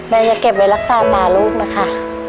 จะเก็บไว้รักษาตาลูกนะคะ